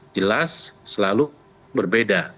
jelas selalu berbeda